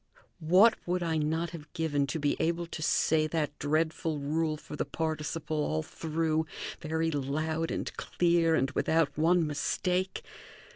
What would I not have given to be able to say that dreadful rule for the participle all through, very loud and clear, and without one mistake?